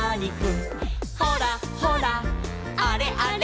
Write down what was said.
「ほらほらあれあれ」